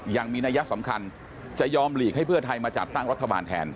ยังมีนัยสำคัญจะยอมหลีกให้เพื่อไทยมาจัดตั้งรัฐบาลแทน